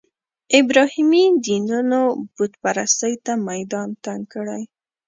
ابراهیمي دینونو بوت پرستۍ ته میدان تنګ کړی.